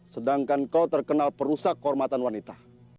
sedangkan kau terkenal perusak kehormatan wanita